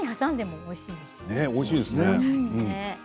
おいしいですね。